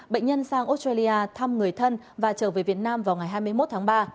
bệnh nhân sang australia thăm người thân và trở về việt nam vào ngày hai mươi một tháng ba